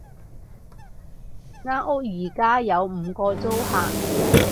間屋而家有五個租客